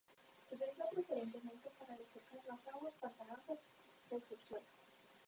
Se utilizó preferentemente para desecar las aguas pantanosas del subsuelo.